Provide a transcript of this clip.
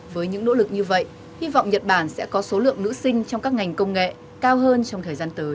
với những nỗ lực như vậy hy vọng nhật bản sẽ có số lượng nữ sinh trong các ngành công nghệ cao hơn trong thời gian tới